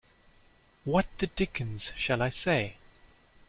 What the dickens shall I say?